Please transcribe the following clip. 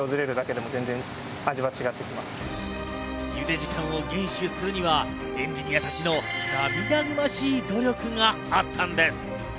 茹で時間を厳守するにはエンジニアたちの涙ぐましい努力があったんです。